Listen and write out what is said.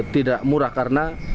tidak murah karena